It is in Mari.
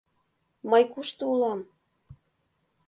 Мый кушто улам?